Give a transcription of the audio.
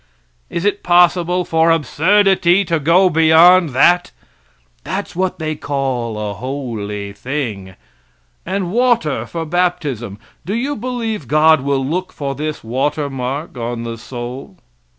Is it possible for absurdity to go beyond that? That's what they call a holy thing. And water for baptism! Do you believe God will look for this water mark on the soul?